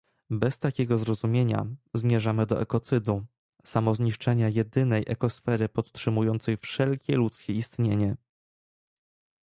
Bez takiego zrozumienia zmierzamy do ekocydu, samozniszczenia jedynej ekosfery podtrzymującej wszelkie ludzkie istnienie